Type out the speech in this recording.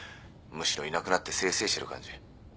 むしろいなくなってせいせいしてる感じ。